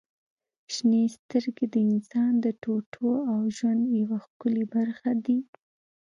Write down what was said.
• شنې سترګې د انسان د ټوټو او ژوند یوه ښکلي برخه دي.